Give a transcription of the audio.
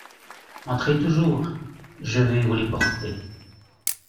Entrez toujours… je vais vous les porter…